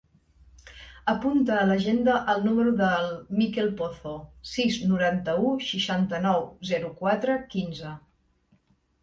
Apunta a l'agenda el número del Mikel Pozo: sis, noranta-u, seixanta-nou, zero, quatre, quinze.